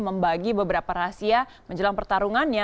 membagi beberapa rahasia menjelang pertarungannya